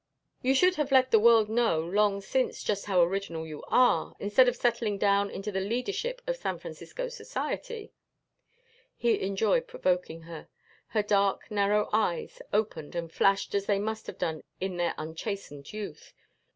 "You should have let the world know long since just how original you are, instead of settling down into the leadership of San Francisco society " He enjoyed provoking her. Her dark narrow eyes opened and flashed as they must have done in their unchastened youth.